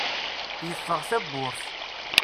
Yeffeɣ tawwurt.